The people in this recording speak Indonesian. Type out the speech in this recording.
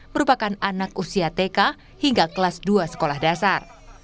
merupakan anak usia tk hingga kelas dua sekolah dasar